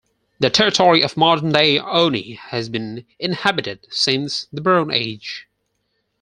The territory of modern-day Oni has been inhabited since the Bronze Age.